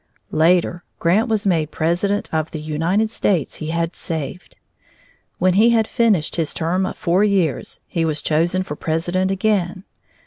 Later, Grant was made President of the United States he had saved. When he had finished his term of four years, he was chosen for President again.